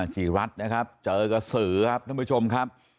จีรัฐนะครับเจอกระสือครับท่านผู้ชมครับ